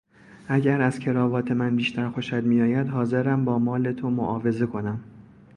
اگر از کراوات من بیشتر خوشت میآید حاضرم با مال تو معاوضه کنم.